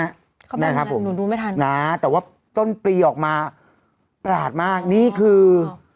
เขาแบบมือหนึ่งหนึ่งหนูดูไม่ทันนะฮะแต่ว่าต้นปรีออกมาประหลาดมากนี่คือ